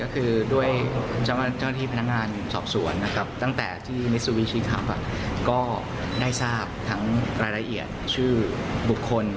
คุณครับ